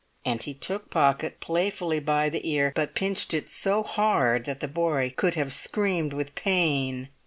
And he took Pocket playfully by the ear, but pinched it so hard that the boy could have screamed with pain.